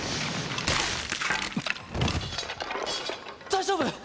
大丈夫？